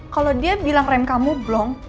kalau dia bilang rem kamu blong